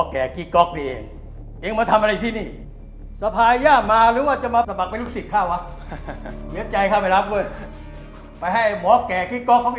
โกฐานพู่โดมเมาะแก่คีกก๊อกส์เอง